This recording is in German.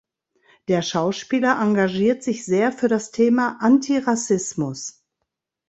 Der Schauspieler engagiert sich sehr für das Thema Antirassismus.